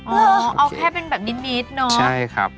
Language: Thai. เออเอาแค่เป็นแบบนิดเนาะใช่ครับ